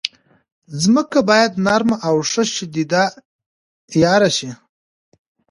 ځمکه باید نرمه او ښه شدیاره شي.